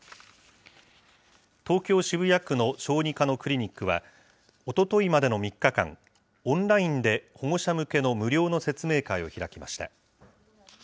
東京・渋谷区の小児科のクリニックは、おとといまでの３日間、オンラインで保護者向けの無料の説明会を開きました。